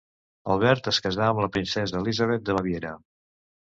Albert es casà amb la princesa Elisabet de Baviera.